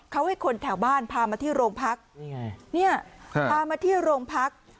เขาให้คนแถวบ้านพามาที่โรงพักนี่ไงเนี่ยพามาที่โรงพัก